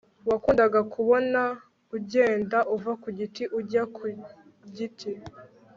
wakundaga kubona ugenda uva ku giti ujya ku giti